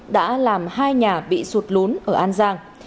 đã làm hai nhà bị sụt lún ở an giang